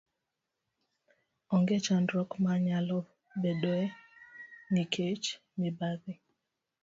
onge chandruok ma nyalo bedoe nikech mibadhi.